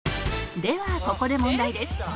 「ではここで問題です」